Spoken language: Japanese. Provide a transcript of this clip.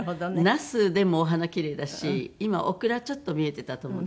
ナスでもお花奇麗だし今オクラちょっと見えていたと思うんですよ。